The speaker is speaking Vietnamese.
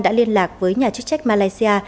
đã liên lạc với nhà chức trách malaysia